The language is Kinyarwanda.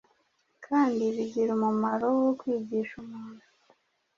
kandi bigira umumaro wo kwigisha umuntu,